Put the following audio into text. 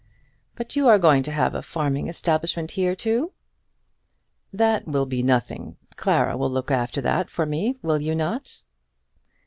"But you are going to have a farming establishment here too?" "That will be nothing. Clara will look after that for me; will you not?"